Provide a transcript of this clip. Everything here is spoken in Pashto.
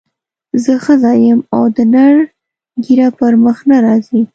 زه ښځه یم او د نر ږیره پر مخ نه راځي.